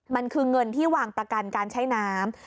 มันคือเงินที่วางประกันการใช้น้ำ